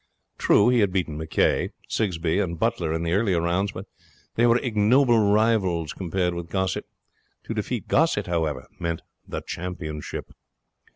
True, he had beaten McCay, Sigsbee, and Butler in the earlier rounds; but they were ignoble rivals compared with Gossett. To defeat Gossett, however, meant the championship.